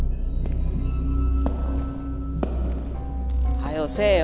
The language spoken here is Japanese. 早うせえよ。